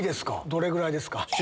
どれぐらいですか？